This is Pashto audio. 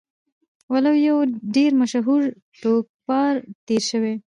وَلُو يو ډير مشهور ټوکپار تير شوی